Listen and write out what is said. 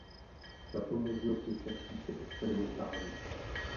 Tato možnost je však spíše experimentální.